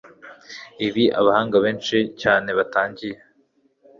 ibi abahanga benshi cyane batangiye